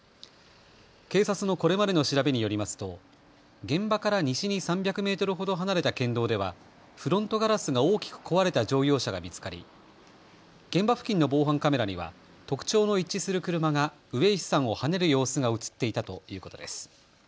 警察のこれまでの調べによりますと現場から西に３００メートルほど離れた県道ではフロントガラスが大きく壊れた乗用車が見つかり現場付近の防犯カメラには特徴の一致する車が上石さんをはねる様子が映っていたということです。